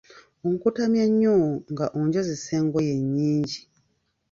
Onkutamya nnyo nga onjozesa engoye nnyingi.